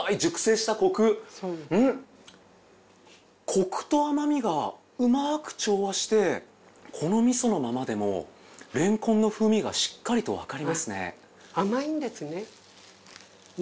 コクと甘みがうまく調和してこの味噌のままでもれんこんの風味がしっかりとわかりますね。